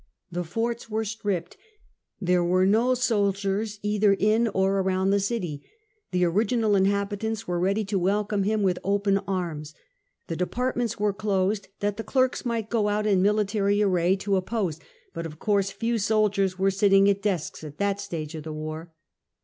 The forts were stripped. There were no soldiers either in or around the citj. The original inhabitants were ready to welcome him with open arms. The departments were closed, that the clerks might go out in military array, to oppose; but of course few soldiers were sitting at desks at that Stage of the war.